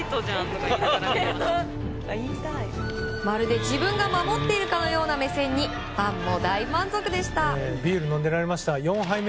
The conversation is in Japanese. まるで自分が守っているかのような目線にファンも大満足でした。